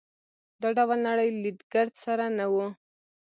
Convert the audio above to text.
دا ډول نړۍ لید ګرد سره نه وو.